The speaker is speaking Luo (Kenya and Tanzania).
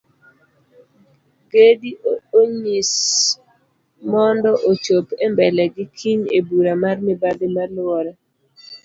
Gedi onyis mondo ochop embelegi kiny ebura mar mibadhi maluore